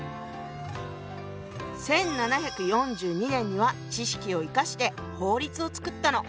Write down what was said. １７４２年には知識を生かして法律を作ったの。